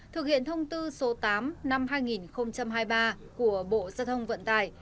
thực hiện thông tư số tám năm hai nghìn hai mươi ba của bộ gia thông vận tải